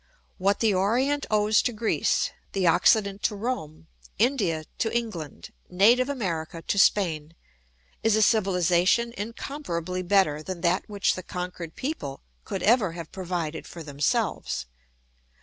What the Orient owes to Greece, the Occident to Rome, India to England, native America to Spain, is a civilisation incomparably better than that which the conquered people could ever have provided for themselves.